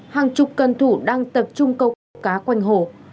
hàng chục cân thủ đang tập trung câu cá quanh hồ